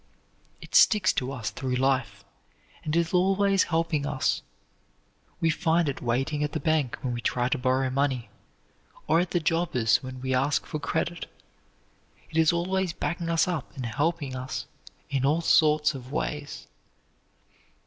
It sticks to us through life, and is always helping us. We find it waiting at the bank when we try to borrow money, or at the jobber's when we ask for credit. It is always backing us up and helping us in all sorts of ways.